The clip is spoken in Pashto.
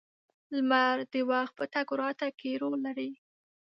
• لمر د وخت په تګ راتګ کې رول لري.